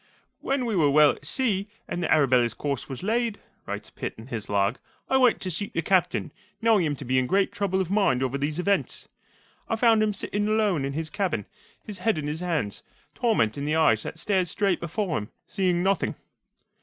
"When we were well at sea, and the Arabella's course was laid," writes Pitt, in his log, "I went to seek the Captain, knowing him to be in great trouble of mind over these events. I found him sitting alone in his cabin, his head in his hands, torment in the eyes that stared straight before him, seeing nothing."